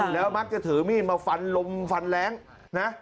แล้วมักจะถือมีดมาฟันลมฟันแรงนะ